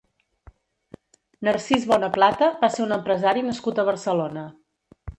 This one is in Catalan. Narcís Bonaplata va ser un empresari nascut a Barcelona.